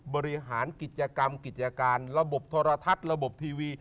บริหารกิจกรรมกิจการระบบโทรทัศน์ระบบทีวี